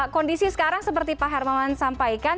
kondisi sekarang seperti pak hermawan sampaikan